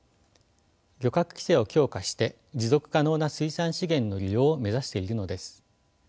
漁獲規制を強化して持続可能な水産資源の利用を目指しているのです。